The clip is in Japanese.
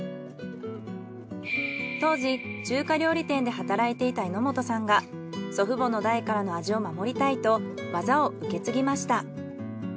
当時中華料理店で働いていた榎本さんが祖父母の代からの味を守りたいと技を受け継ぎました。